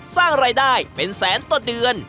สร้างรายได้เป็นแสนต่อเดือน